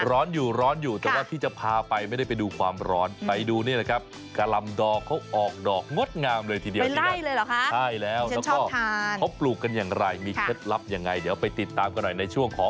ร้อนอยู่ร้อนอยู่แต่ว่าพี่จะพาไปไม่ได้ไปดูความร้อนไปดูเนี่ยแหละครับกลำดอกเขาออกดอกงดงามเลยทีเดียว